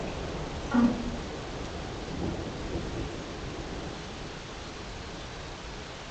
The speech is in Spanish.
Ambos personajes serían asesinados por el monstruo de Karloff en sus respectivas películas.